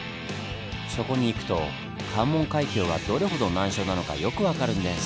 そこに行くと関門海峡がどれほど難所なのかよく分かるんです。